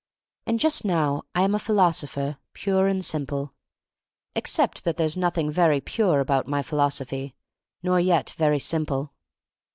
And just now I am a philosopher, pure and simple — except that there's noth ing very pure about my philosophy, nor yet very simple.